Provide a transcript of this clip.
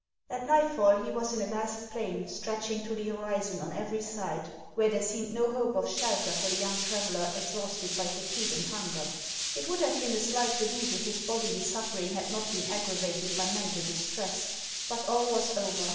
At nightfall he was in a vast plain stretching to the horizon on every side, where there seemed no hope of shelter for the young traveller exhausted by fatigue and hunger. It would have been a slight relief if his bodily suffering had not been aggravated by mental distress ; but all was over.